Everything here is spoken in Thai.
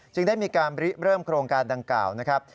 ได้มีการเริ่มโครงการดังกล่าวนะครับ